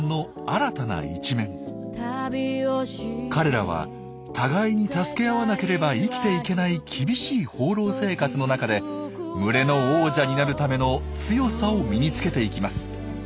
彼らは互いに助け合わなければ生きていけない厳しい放浪生活の中で群れの王者になるための強さを身につけていきます。